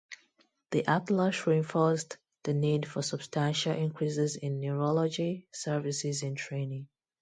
The Atlas reinforced the need for substantial increases in neurology services and training.